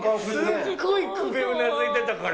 すごい首うなずいてたから。